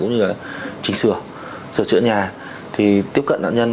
cũng như là chỉnh sửa sửa chữa nhà thì tiếp cận nạn nhân